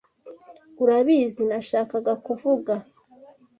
Urabizi nashakaga kuvuga.